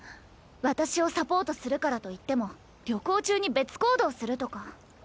私をサポートするからといっても旅行中に別行動するとか。